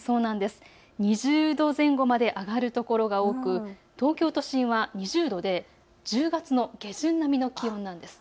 ２０度前後まで上がる所が多く東京都心は２０度で１０月の下旬並みの気温なんです。